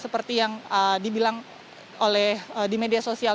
seperti yang dibilang oleh di media sosial